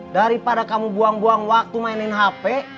daripada kamu buang buang waktu mainin hp